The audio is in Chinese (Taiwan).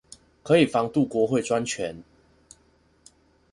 可以防杜國會專權